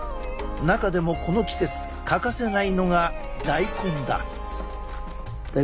中でもこの季節欠かせないのが大根だ。